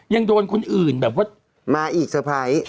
ยังโดนคนอื่นแบบว่ามาอีกเตอร์ไพรส์